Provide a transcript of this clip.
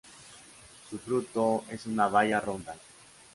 Su fruto es una baya ronda.